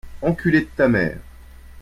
Enculé de ta mere